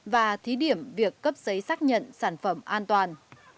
và thí điểm việc cấp giấy xác nhận sản phẩm an toàn